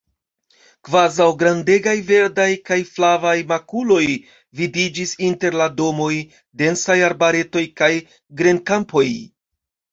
Kvazaŭ grandegaj verdaj kaj flavaj makuloj, vidiĝis inter la domoj densaj arbaretoj kaj grenkampoj.